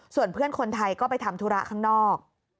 ส่วนเพื่อนคนไทยก็ไปทำธุระข้างนอก